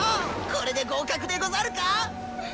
これで合格でござるか⁉う。